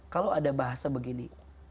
kalau ada bahasa begini